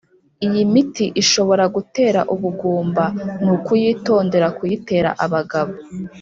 Iyi miti ishobora gutera ubugumba ni ukuyitondera kuyitera abagabo